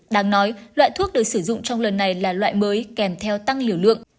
đáng nói loại thuốc được sử dụng trong lần này là loại mới kèm theo tăng liều lượng